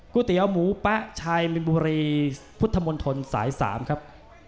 เตี๋ยวหมูแป๊ะชายมินบุรีพุทธมนตรสาย๓ครับ